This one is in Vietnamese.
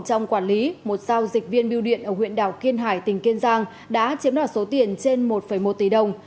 trong quản lý một giao dịch viên biêu điện ở huyện đảo kiên hải tỉnh kiên giang đã chiếm đoạt số tiền trên một một tỷ đồng